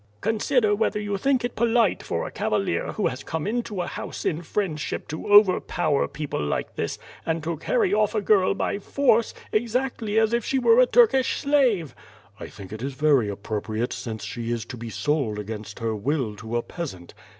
"Consider whether you think it polite for a cavalier who has come into a house in friendship to overpower people like this, and to carry oif a girl by force, exactly as if she were a Turkish slave." "I think it is very appropriate since she is to be sold against her will to a peasant."